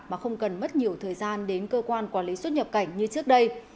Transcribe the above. mà không cần mất nhiều thời gian đến cơ quan quản lý xuất nhập cảnh như trước đây